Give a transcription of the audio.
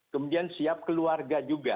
kemudian siap keluarga juga